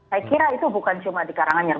saya kira itu bukan cuma di karanganyar